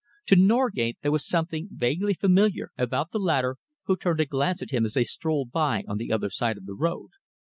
To Norgate there was something vaguely familiar about the latter, who turned to glance at him as they strolled by on the other side of the road.